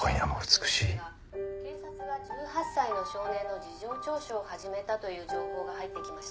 「警察は１８歳の少年の事情聴取を始めたという情報が入ってきました」